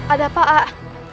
ada apa pak